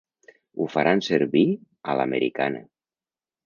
Ho faran servir a l'americana.